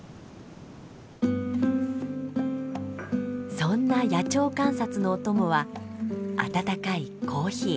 そんな野鳥観察のお供は温かいコーヒー。